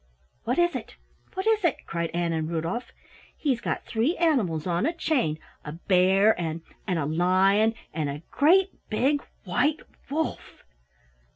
"What is it? What is it?" cried Ann and Rudolf. "He's got three animals on a chain a bear, an' an' a lion an' a great big white wolf!"